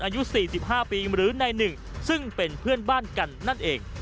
อายุ๔๕ปีหรือในหนึ่งซึ่งเป็นเพื่อนบ้านกันนั่นเอง